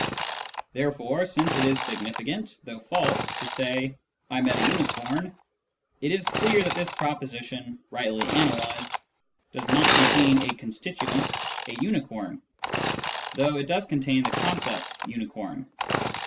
Therefore, since it is significant (though false) to say " I met a unicorn," it is clear that this proposition, rightly analysed, does not contain a constituent " a unicorn," though it does contain the concept " unicorn."